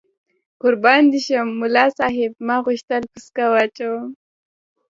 قربان دې شم، ملا صاحب ما غوښتل پسکه واچوم.